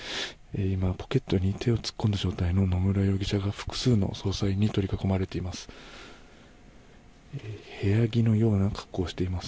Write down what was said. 今、ポケットに手を突っ込んだ状態の野村容疑者が複数の捜査員に取り囲まれています。